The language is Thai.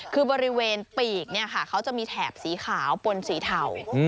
คือบริเวณปีกเขาจะมีแถบสีขาวปนสีเทา